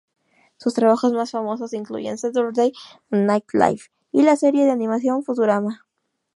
Sus trabajos más famosos incluyen Saturday Night Live y la serie de animación Futurama.